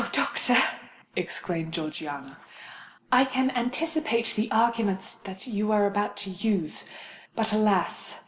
doctor," exclaimed Georgiana, "I can anticipate the arguments you are about to use; but, alas!